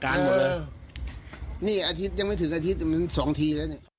ตรงนี้อาทิตย์ยังไม่ถึงอาทิตย์สองที